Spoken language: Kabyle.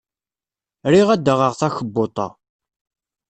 Riɣ ad d-aɣaɣ takebbuḍt-a.